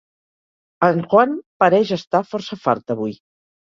En Juan pareix estar força fart avui.